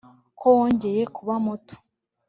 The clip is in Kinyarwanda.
ko wongeye kuba muto